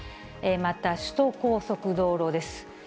また首都高速道路です。